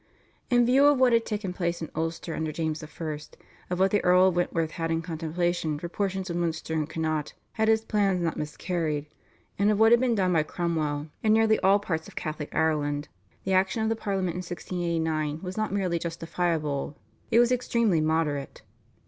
In view of what had taken place in Ulster under James I., of what the Earl of Wentworth had in contemplation for portions of Munster and Connaught had his plants not miscarried, and of what had been done by Cromwell in nearly all parts of Catholic Ireland, the action of the Parliament of 1689 was not merely justifiable. It was extremely moderate.